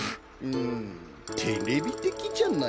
んテレビてきじゃないな。